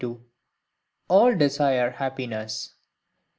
42. All desire Happiness.